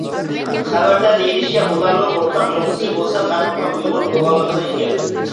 خەۋەردە دېيىلىشىچە، ئۇلارنىڭ ئورتاق نۇقتىسى بولسا، پەقەتلا ئۇيغۇر بولغانلىقىدا ئىكەن.